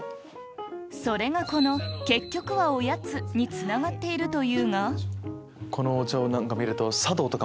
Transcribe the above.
それがこの「結局はおやつ」につながっているというがこのお茶を見ると。